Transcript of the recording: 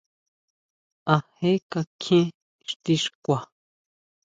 ¿A je kakjien ixti xkua.